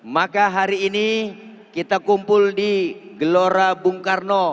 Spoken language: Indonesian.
maka hari ini kita kumpul di gelora bung karno